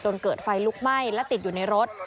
เกิดไฟลุกไหม้และติดอยู่ในรถ